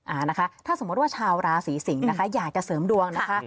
อ่านะคะถ้าสมมติว่าชาวราศีสิงศ์นะคะอยากจะเสริมดวงนะคะ